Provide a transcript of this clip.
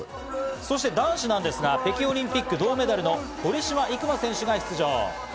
そして男子なんですが、北京オリンピック銅メダルの堀島行真選手が出場。